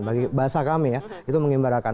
bahasa kami ya itu mengembirakan